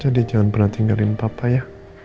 jadi jangan pernah tinggalin papa ya